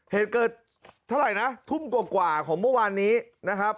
เหตุเกิดเท่าไหร่นะทุ่มกว่าของเมื่อวานนี้นะครับ